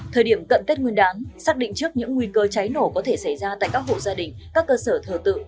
thời điểm cận tết nguyên đán xác định trước những nguy cơ cháy nổ có thể xảy ra tại các hộ gia đình các cơ sở thờ tự